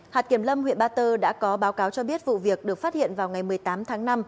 hạt kiểm lâm huyện ba tơ đã có báo cáo cho biết vụ việc được phát hiện vào ngày một mươi tám tháng năm